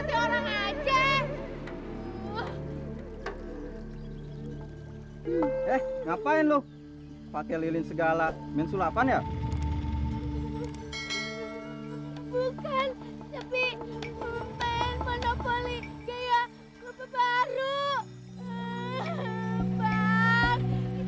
hai eh ngapain lu pakai lilin segala mensulapan ya bukan tapi men monopoly gaya kebaru bang